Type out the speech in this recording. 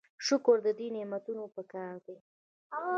شکر د دې نعمتونو پکار دی.